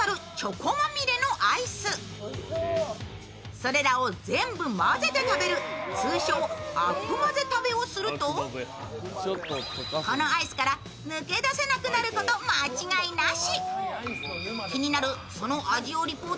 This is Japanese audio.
それらを全部混ぜて食べる通称・悪魔ぜ食べをするとこのアイスから抜け出せなくなること間違いなし！